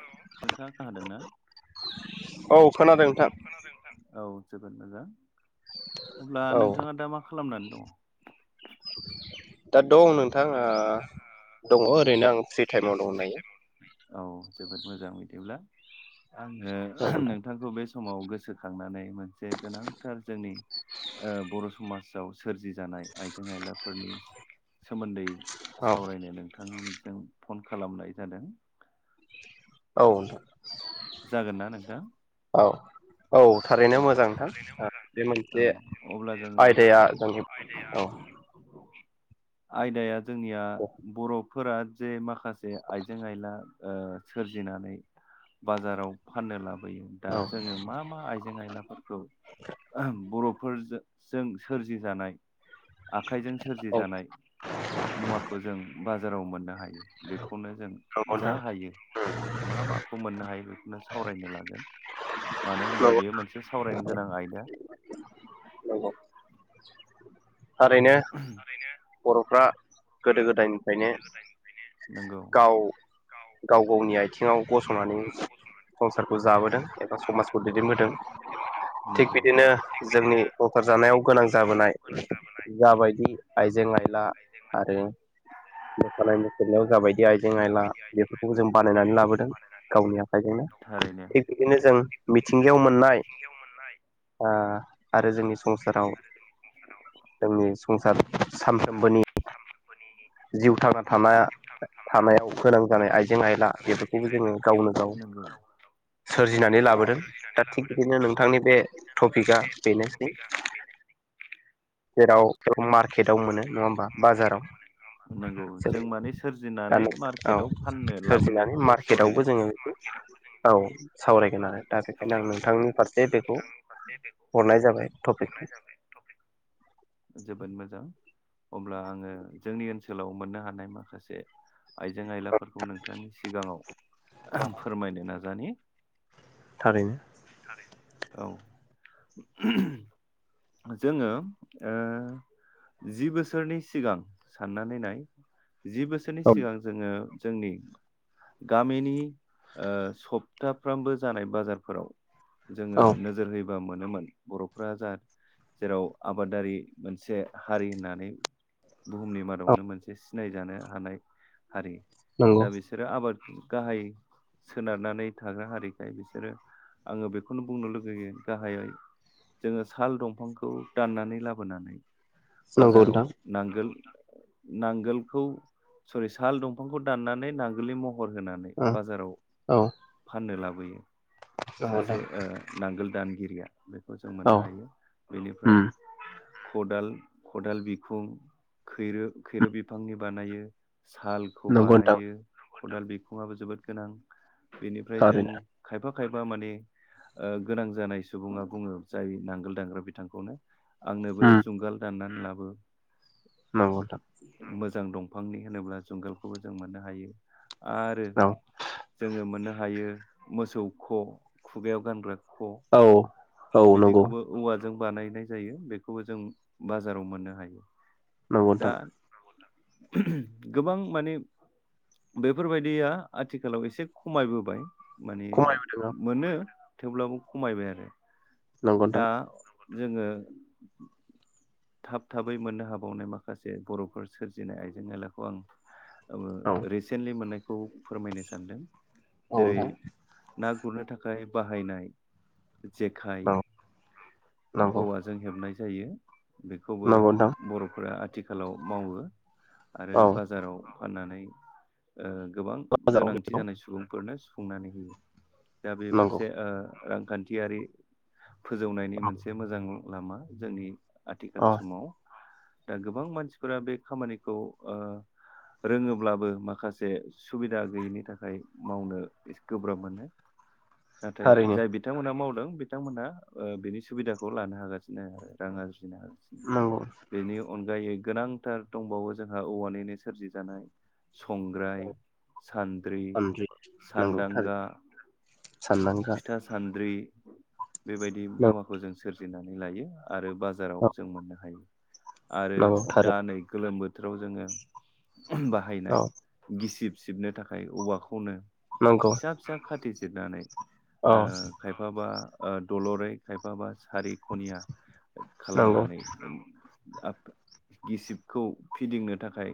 औ नोंथांआ खोनादों ना? औ खोनादों औ नोंथां खोनादों नोंथां। औ जोबोद मोजां। अब्ला औ नोंथाङा दा मा खालामना दं? दा दं नोंथां आ नोंथां ओ दङ ओरैनो आं। दङ फ्रि ओरैनो टाइमाव आं दं फ्रि दायो टाइमाव दं दायो औ जोबोद मोजां बिदिब्ला। औ आङो नोंथां नोंथांखौ बे समाव गोसोखांनानै मोनसे गोनांथार जोंनि ओ बर' समाज आव सोरजि जानाय आइजें आयलाफोरनि सोमोन्दै औ सावरायनो नोंथां फन खालामनाय जादों। औ नोंथां। जागोन ना नोंथां? औ औ औ थारैनो मोजां नोंथां थारैनो आ मोजां बे औ मोनसे अब्ला जोङो आयदाया जोंनि औ आयदा जोंनिया औ बर' फोरा जे माखासे आइजें आइला ओ सोरजिनानै बाजाराव फाननो ला होयो दा जोङो आइजें आयलाफोरखौ बर'फोरजो-जों सोरजिजानाय। आ आखाइजों सोरजि जानाय मुवाखौ जों बाजाराव मोननो हायो। बे खौनो जों नंगौ जा नोंथां हायो मा माखौ मोननो हायो बे सावरायनो लागोन। मानो होनबा नंगौ बेयो मोनसे सावरायनो गोनां आयदा। नंगौ थारैनो बर'फ्रा गोदो गोदायनिफ्रायनो नंगौ गाव गाव गावनि आथिङाव गसंनानै संसारखौ जाबोदों एबा समाजखौ दैदेनबोदों थिग नंगौ बिदिनो जोंनि संसार जानायाव गोनां जाबोनाय जाबायदि आइजें आइला आरो मोसानाय मुसुरनायाव जाबाय आइजें आइला बेफोरखौ जों बानायनानै लाबोदों गावनि आखाइजोंनो थारैनो थिग बिदिनो जों मिथिंगायाव मोननाय आ आरो जोंनि संसाराव नि संसार सानफ्रोमबोनि जिउ थांना थानाय थानायाव गोनां जानाय आइजें आयला बेफोरखौबो जोङो गावनो गाव नंगौ सोरजिनो दा थिग बिदिनो नोंथांनि बे टपिकआ बेनोसै। जेराव मार्केटआव मोनो नङा होमबा बाजाराव नंगौ द जों माने दा सोरजिनानै नोंथां मार्केटाव औ फाननो सोरजिनानै लाबोनायखौल' सावरायगोन मार्केटआवबो जोङो बेखौ औ सावरायगोन आरो। दा बेखायनो आं नोंथांनि फारसे बेखौ हरनाय जाबाय टपिकखौ। जोबोद मोजां। अब्ला आङो जोंनि ओनसोलाव मोननो हानाय माखासे आइजें आयलाफोरखौ नोंथांनि सिगाङाव फोरमायनो नाजानि थारैनो। थारैनो औ जोङो ओ जि बोसोरनि सिगां साननानै नाय जि बोसोरनि औ सिगां जोङो जोंनि गामिनि ओ सप्ताफ्रामबो जानाय बाजारफोराव जोङो औ नोजोर होयोबा मोन मोनोमोन बर'फ जा जेराव आबादारि मोनसे हारि होननानै बुहुमनि मादावनो मोनसे सिनायजानो हानाय हारि नंगौ दा बिसोरो आबाद गाहाय सोनारनानै थाग्रा हारिखाय बिसोरो आङो बेखौनो बुंनो लुगैयो गाहायै जोङो साल दंफांखौ दाननानै लाबोनानै नंगौ बाजाराव नोंथां नांगोल नांगोलखौ सरि साल दंफांखौ दाननानै नांगोलनि महर हर होनानै बाजाराव औ फाननो लाबो बैयो नंगौ सासे नोंथां ओ नांगोल दानगि रिया बै खौ जों औ मोननो हायो बेनिफ्राय उम खदाल खदाल बिखुं खैरो खैरो बिफांनि बानायो। सालखौ नंगौ नोंथां बानायो। खदाल बिखुंआबो जोबोद गोनां। बेनिफ्राय जों थारैनो खायफा खायबा माने ओ गोनां जानाय सुबुंङा बुंङो जाय नांगोल दानग्रा बिथांखौनो आंनोबो उम जुंगाल दाननानै लाब बो। नंगौ नोंथां। मोजां दंफांनि होनोब्ला जुंगालखौबो जों मोननो हायो। आरो जोङो मोननो हायो मोसौ ख' खुगायाव गानग्रा ख' औ। नंगौ बिदिखौबो औवा जों बानायनाय जायो बेखौबो जों बाजाराव मोननो हायो। नंगौ दा नोंथां। गोबां माने बेफोरबायदिया आथिखालाव एसे खमायबोबाय। माने खमायबोदों औ मोनो थेवब्लाबो खमायबाय आरो। नोंगौ नोंथां। जोंङो थाब थाबै मोननो हाबावनाय माखासे बर'फोर सोरजिनाय आइजें आयलाखौ आं ओ औ रिसेन्टलि मोननाय फोरमायनो सानदों। औ जेरै नोंथां ना गुरनो थाखाय बाहायनाय जेखाय औ नंगौ औवाजों हेबनाय जायो। बेखौबो नंगौ नोंथां बर'फोरा आथिखालाव मावो आरो औ बाजाराव फाननानै ओ गोबां बाजाराव गोनांथि बेखौ जानाय सुबुंफोरनो संनानै होयो। दा बे नंगौ मोनसे ओ रां खान्थियारि फोजौनायनि मोनसे मोजां लामा जोंनि आथिखाल औ समाव दा गोबां मानसिफोरा बे खामानिखौ ओ रोङोब्लाबो माखासे सुबिदा गैयैनि थाखाय मावनो एसे गोब्राब मोनो। नाथाय थारैनो जाय बिथांमोनहा मावदों बिथांमोना ओ बिनि सुबिदाखौ लानो हागासिनो आरो राङारि [inaudible] नंगौ बेनि अन गोनांथार दंबावो जोंहा औवानिनो सोरजि जानाय संग्राय, सान्द्रि, सानद्रि नंगौ थारै सान्दांगा, सानदांगा फिथा सान्द्रि बेबायदि मुवाखौ जों सोर बिनानै लायो आरो बा जाराव नंगौ जों मोननो हायो। आरो नंगौ दा थारै नै गोलोम बो बोथोराव जोङो बाहायनाय औ गिसिब सिबनो थाखाय औवाखौ मोनो नंगौ फिसा फिसा खाथि जिरनानै औ ओ खायफाबा ओ दुलरै खायफाबा सारि खनिया नंगौ खालामनानै [unintelligible] गिसिबखौ फिदिंनो थाखाय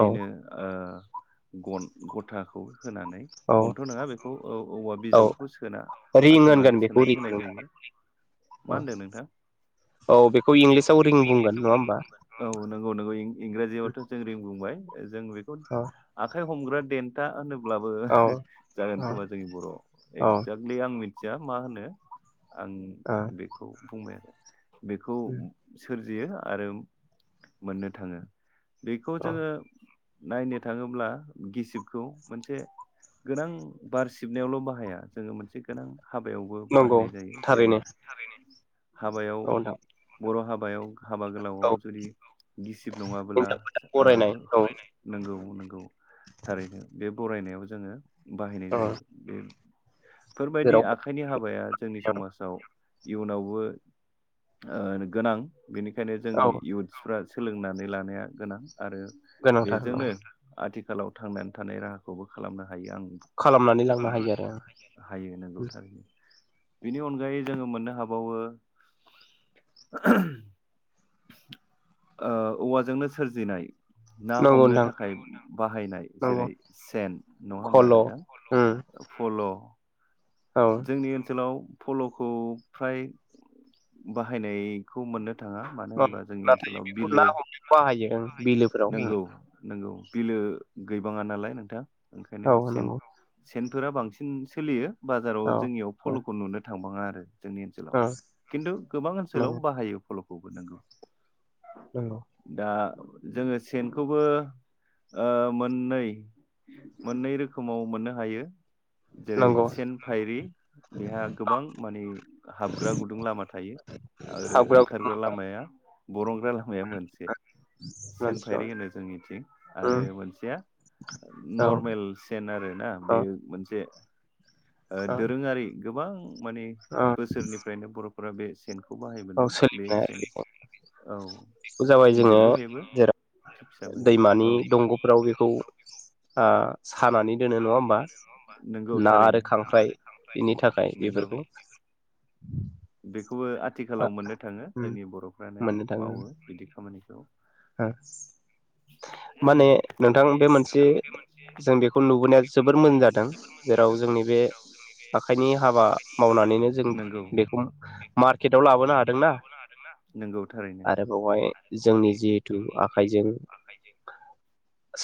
औ ओ गन गथाखौ होनानै औ गनथ' नङा बेखौ ओ औवा औ बिजौखौ सोना रिं हास'नानै होनगोन बेखौ सोनानै रिं होनाय नोंथाङा जायो [inaudible] मा होनदों नोंथां? बेखौ औ इंलिसाव रिं बेखौ बुंगोन इंलिसाव नङा रिं होमबा बुंगोन नङा होमबा औ नोंगौ नोंगौ इंराजियावथ' जों रिं बाय जों बेखौ औ आखाइ हमग्रा देन्था होनो ब्लाबो औ जागोन खोमा जोंनि बर' औ एक्जेक्लि आं मि थिया मा होनो। आं बेखौ बुंबाय आरो बेखौ सोर फुजियो आरो मोननो थाङो। बेखौ औ जोङो नायनो थाङोब्ला गिसिबखौ मोनसे गोनां बार सिबनायावल' बाहाया जोङो मोनसे गोनां हाबायावबो नंगौ बाहायनाय जायो जेरै- थारैनो हाबायाव औ नोंथां बर' हाबा बायं हाबा गोलावाव औ जुदि गिसिब नङाब्ला हिनजावफोरा बरायनाय औ नंगौ। नंगौ थारैनो बे बरायनायाव जोङो बाहायनाय औ जायो बे फोरबायदि जेराव आखाइनि हाबाया जोंनि समाजाव इयुनावबो ओ गोनां बेनिखायनो जोंनि औ इउथ्सफ्रा सोलोंनानै लानाया गोनां। आरो गोनांथार बेजोंनो नंगौ आथि खालाव थांनानै थानाय राहाखौबो खालामनो हायो आं खालामनानै बेखौ लांनो हायो आरो हायो नंगौथारैनो। बेनि अनगायै जोङो मोननो हाबावो ओ औवाजोंनो सोरजिनाय ना नंगौ हमनो नोंथां थाखाय बाहायनाय नंगौ जेरै सेन नङा होमब्ला खल' नोंथां उम फल' औ जोंनि ओनसोलाव फल'खौ फ्राय बाहायनायखौ मोननो थाङा मानो होनोबा जोंनि नाथाय ओनसोलाव बेखौ बिलो ना हमनायाव बाहायो ओं बिलोफोराव नंगौ नंगौ बिलो गैबाङा नालाय नोंथां। ओंखायनो। औ [unintelligible] नंगौ सेनफोरा बांसिन सोलियो। बाजाराव औ जोंनियाव फल'खौ नुनो थांबाङा आ रो जोंनि ओनसोलाव खिन्थु गोबां ओनसोलाव नंगौ बाहायो फल' नंगौ [unintelligible] दा जोङो सेनखौबो ओ मोननै मोननै रोखोमाव मोननो हायो नंगौ फाइरि बेहा गोबां माने हाबग्रा गुदुं लामा थायो आरो हाबग्रा ओंखारग्रा लामाया बरनग्रा लामाया मोनसे सेन मानसिनाव फाइरि होनो जोंनिथिं उम आरो मोनसेया औ नरमेल सेन आरो ना औ बे मोनसे [unintelligible] ओ औ दोरोङारि गोबां माने औ बोसोरनिफ्रायनो बर' [unintelligible] औ सोलिनाय बेखौ जाबाय जोङो जेराव दैमानि दंग'फोराव बेखौ ओ [unintelligible] सानानै दोनो नङा होमबा नंगौ ना थारैनो आरो खांख्राइनि थाखाय बेफोरखौ बे खौबो ओ आथिखालाव मोननो थाङो उम जोंनि बर'फ्रानो मोननो थाङो मावो बिदि खामानि खौ ओ माने नोंथां बे मोनसे जों बेखौ नुबोनाया जोबोर मोजां जादों जेराव जोंनि बे आखाइनि हाबा मावनानैनो जों नंगौ बेखौ मारकेटाव लाबोनो हादोंना नंगौ थारैनो आरो बेवहाय जोंनि जि थु आखाइजों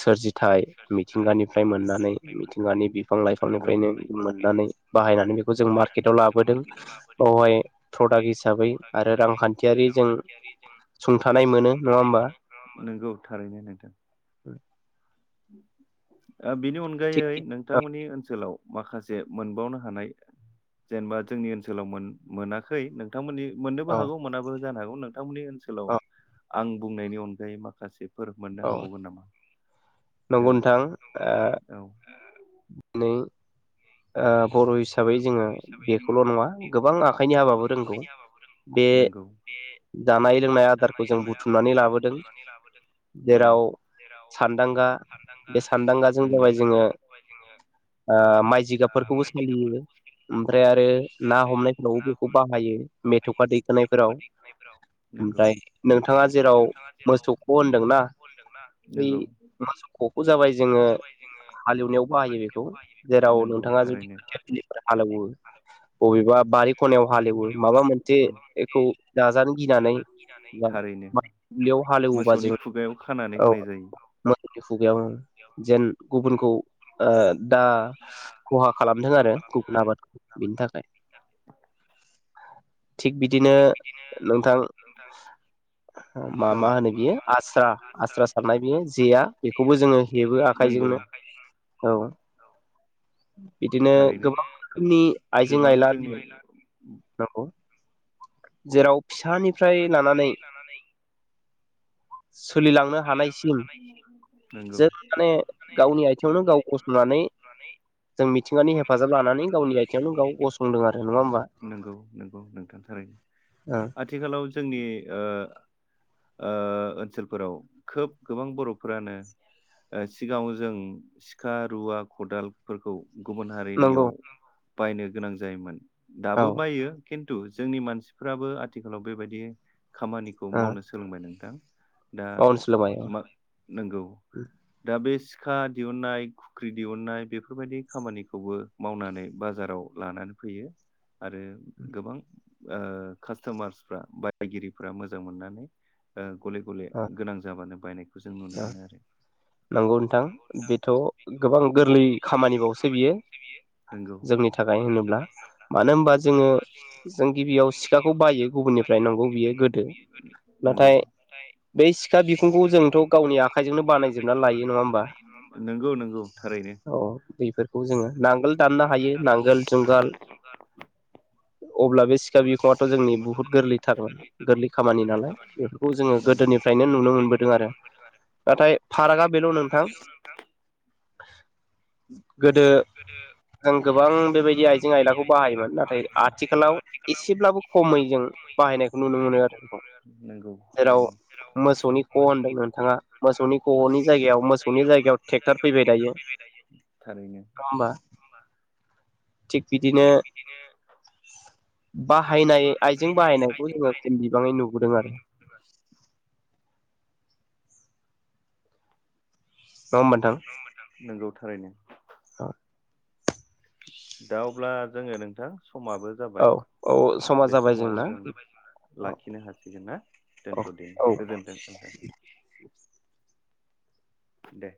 सोरजि थाइ मिथिंगानिफ्राय मोननानै मिथिंगानि बिफां नंगौ लाइफांनिफ्रायनो मोननानै बाहायनानै बेखौ जों मार्केटआव लाबोदों बावहाय प्रडाक्ट हिसाबै आरो रांखान्थियारि जों सुंथानाय मोनो नङा होमबा नोंगौ थारैनो नोंथां [unintelligible] ओ बिनि अनगायै थिग नोंथांमोननि ओनसोलाव माखासे मोनबावनो हानाय जेनबा जोंनि ओनसोलाव मोन मोनाखै नोंथांमोननि मोननोबो औ हागौ मोनाबो जानो हागौ नों थांमोननि ओनसोलाव औ आं बुंनायनि अनगायै माखासे फोर मोननो औ हाबावगोन नामा? नंगौ नोंथां जों औ ओ [unintelligible] [unintelligible] ओ बर' हिसाबै जोङो बेखौल' नङा गोबां आखाइनि हाबाबो रोंगौ बे नंगौ जानाय लोंनाय आदारखौ जों बुथुमनानै लाबोदों नंगौ जेराव सानदांगा बे सानदांगाजों नंगौ दबाय जोङो ओ माइ जि जिगाबफोरखौबो सालियो ओमफ्राय आरो ना हमनायफोरावबो बेखौ बाहायो मेथ'खा दैखोनायफोराव नंगौ ओमफ्राय नोंथाङा जेराव मोसौ ख' होनदोंना बै नंगौ मोसौ ख'खौ जाबाय जोङो हालेवनायाव बाहायो बेखौ जेराव नंगौ न' आ जुदि थारैनो खोथियाथिलि हालौवो बबेबा बारि खनायाव हालौवो माबा मोनसे बेखौ जाजानो गिनानै बा थारैनो दुब्लियाव हालौवोबा मोसौनि जों खुगायाव खानानै औ होनाय जायो मोसौनि खुगायाव जेन गुबुनखौ ओ दा खहा खालामदों आरो गुबुन आबादखौ बिनि थाखाय थिग बिदिनो नोंथां मा औ मा होनो बियो आस्रा आस्रा सारनाय बियो जेआ बेखौबो जोङो हेबो नंगौ आखाइजोंनो औ बिदिनो थारैनो गोबां रोखोमनि आइजें गोबां आइला जोंनि दङ नंगौ नंगौ जेराव फिसानिफ्राय लानानै सोलिलांनो हानायसिम नंगौ जों माने गावनि आथिङावनो गाव गसंनानै जों मिथिंगानि हेफाजाब लानानै गावनि आथिङावनो गाव गसंदों आरो नङा होमबा नोंगौ नोंथां थारैनो ओ आथिखालाव जोंनि ओ ओ ओनसोलफोराव खोब गोबां बर'फोरानो ओ सिगाङाव जों सिखा रुवा खदालफोरखौ गुबुन नंगौ हारिनियाव बायनो गोनां जायोमोन औ दाबो ओ बायो खिन्थु जोंनि मानसिफोराबो आथिखालाव बेबायदि खामानिखौ मावनो सोलोंबाय नोंथां दा बावनो सोलोंबाय औ मा नांगौ दा बे सिखा दिहुननाय फुख्रि दिहुनन्नाय बेफोरबायदि खामानिखौबो मावनानै बाजाराव लानानै फैयो आरो गोबां ओ कास्ट'मार्सफ्रा बाहायगिरिफ्रा मोजां मोननानै गले गले ओ गोनां बायनाय खौ जों नुनो मोनो आरो थब ग ख नोंगौ ज थाखाय मानोा ज गिबियाव सिखाखौ बायो गुबनिफ्राय नौ बियो गोदो नोंगौ नाथाय बे सिफुंखौ जोंथ' गावनि आखायजोंनो बानाय जायो जोबना लायो नङा होमबा नंगौ नंगौ थारैनो औ बेफोरखौ जोङो नांगोल दाननो हायो नांगोल जुंगाल अब्ला बे सिखा बिखुाथ' जोंनि बुहुत गोरलैथारमोन गोरलै खामानि नालाय बेफोरखौ जोङो नंगौ गोदोनिफ्रायनो नुनो मोन मोनबोदों आरो नाथाय फारागा बेल' नोंथां गोदो जों गोबां बेबायदि आइजें आयलाखौ बाहायोमोन नाथाय आथिखालाव एसेब्लाबो खमै जों बाहायनायखौ नुनो मोनो आरो नंगौ जेराव थारैनो मोसौनि ख होनदों नोंथाङा मोसौनि गब'नि जायगायाव मोसौनि जायगायाव ट्रेक्टर फैबाय दायो थारैनो नङा होमबा थिग बिदिनो बाहायनाय आइजें बाहायनायखौ जोङो खम बिबाङै नुबोदों आरो नङा होमबा नोंथां नोंगौ थारैनो। दा अब्ला जोङो नोंथां समाबो जाबाय औ औ समा बे जाबाय समाव जोंना जों औ लाखिनो हासिगोन न औ दोनथ'दिन औ गोजोनथों नोंथां। दे